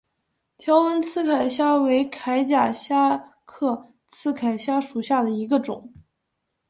条纹刺铠虾为铠甲虾科刺铠虾属下的一个种。